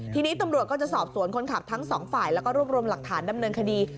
ทีนี้ตำรวจก็จะสอบสวนคนขับทั้งสองฝ่ายแล้วก็รวบรวมหลักฐานดำเนินคดี